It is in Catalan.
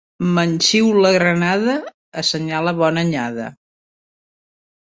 Manxiula granada assenyala bona anyada.